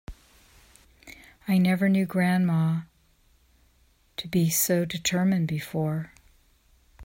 I never knew grandma to be so determined before.